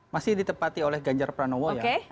masih ditepati oleh ganjar pranowo yang